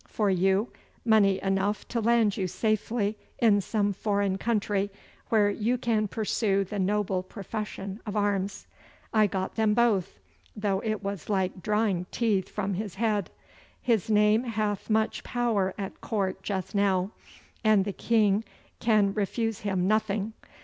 For you, money enough to land you safely in some foreign country where you can pursue the noble profession of arms. I got them both, though it was like drawing teeth from his head. His name hath much power at Court just now, and the King can refuse him nothing.